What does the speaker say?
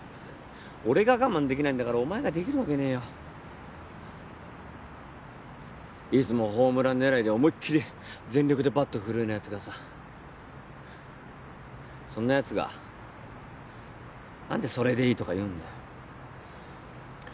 俺が我慢できないんだからお前ができるわけねーよいつもホームラン狙いで思いっきり全力でバット振るようなやつがさそんなやつが何でそれでいいとか言うんだよ